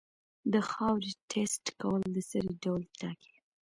د خاورې ټیسټ کول د سرې ډول ټاکي.